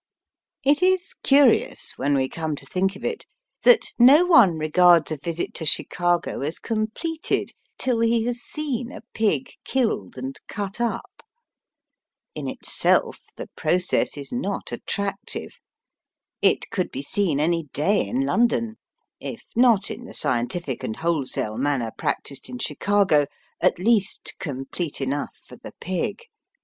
It is curious, when we come to think of it, that no one regards a visit to Chicago as completed till he has seen a pig killed and cut up. In itself the process is not attractive. It could be seen any day in London, if not in the scientific and wholesale manner practised in Chicago, at least complete enough for the pig.